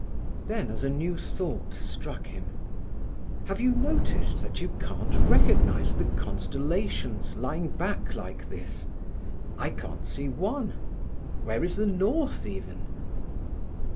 Then, as a new thought struck him: "Have you noticed that you can't recognize the constellations lying back like this. I can't see one. Where is the north, even?"